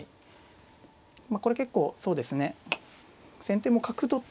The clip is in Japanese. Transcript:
まあこれ結構そうですね先手も角取っ